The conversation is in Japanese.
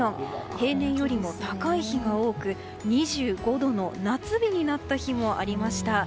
平年よりも高い日が多く２５度の夏日になった日もありました。